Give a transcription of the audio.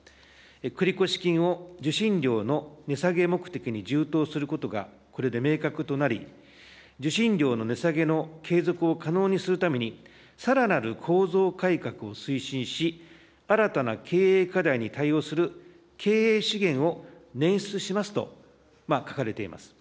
繰越金を受信料の値下げ目的に充当することがこれで明確となり、受信料の値下げの継続を可能にするために、さらなる構造改革を推進し、新たな経営課題に対応する経営資源を捻出しますと書かれています。